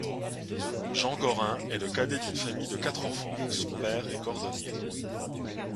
Jean Gorin est le cadet d'une famille de quatre enfants, son père est cordonnier.